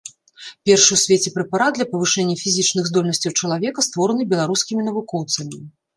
Першы ў свеце прэпарат для павышэння фізічных здольнасцяў чалавека створаны беларускімі навукоўцамі.